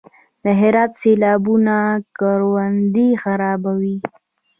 د هرات سیلابونه کروندې خرابوي؟